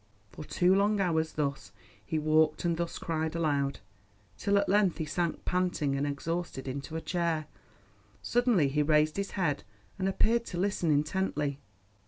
For two long hours thus he walked and thus cried aloud, till at length he sank panting and exhausted into a chair. Suddenly he raised his head, and appeared to listen intently.